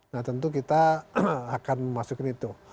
nah tentu kita akan masukin itu